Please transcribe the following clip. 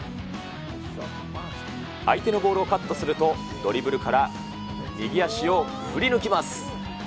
相手のボールをカットすると、ドリブルから右足を振り抜きます。